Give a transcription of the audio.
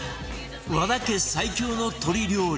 和田家最強の鶏料理